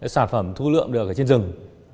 sản phẩm thu lượm được ở trên rừng